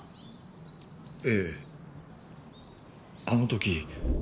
あの時。